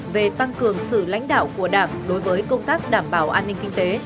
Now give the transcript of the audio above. về tăng cường sự lãnh đạo của đảng đối với công tác đảm bảo an ninh kinh tế